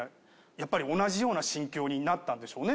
やっぱり同じような心境になったんでしょうね。